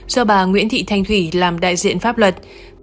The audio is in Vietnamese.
do bà nguyễn thị thanh thủy làm đại diện pháp luật